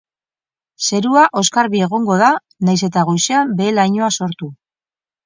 Zerua oskarbi egongo da, nahiz eta goizean behe-lainoa sortu.